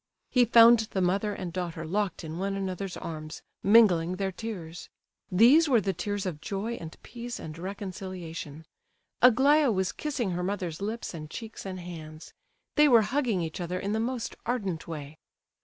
He found the mother and daughter locked in one another's arms, mingling their tears. These were the tears of joy and peace and reconciliation. Aglaya was kissing her mother's lips and cheeks and hands; they were hugging each other in the most ardent way.